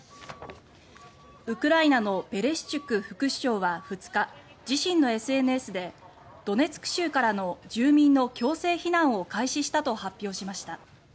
ウクライナのベレシュチュク副首相は２日自身のＳＮＳでドネツク州からの住民の強制退避を開始したと発表しました。